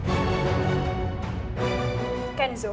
kamu harus mencari anak yang lebih baik